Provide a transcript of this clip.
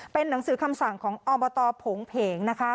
เป็นหนังสือคำสั่งของอบตโผงเพงนะคะ